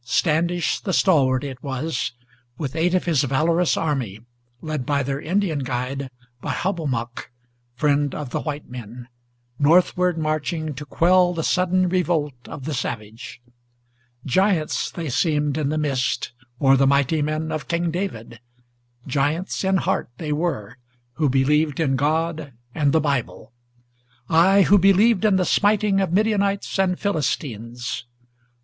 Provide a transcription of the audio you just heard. Standish the stalwart it was, with eight of his valorous army, Led by their Indian guide, by Hobomok, friend of the white men, Northward marching to quell the sudden revolt of the savage. Giants they seemed in the mist, or the mighty men of King David; Giants in heart they were, who believed in God and the Bible, Ay, who believed in the smiting of Midianites and Philistines.